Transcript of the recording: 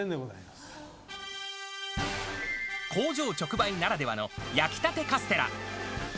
工場直売ならではの焼きたてカステラ。